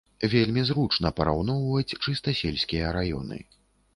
Вельмі зручна параўноўваць чыста сельскія раёны.